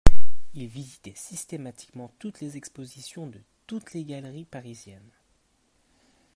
Il visitait systématiquement toutes les expositions de toutes les galeries parisiennes.